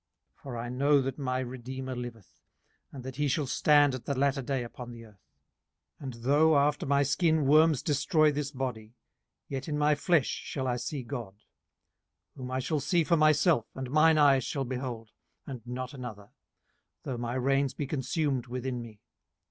18:019:025 For I know that my redeemer liveth, and that he shall stand at the latter day upon the earth: 18:019:026 And though after my skin worms destroy this body, yet in my flesh shall I see God: 18:019:027 Whom I shall see for myself, and mine eyes shall behold, and not another; though my reins be consumed within me.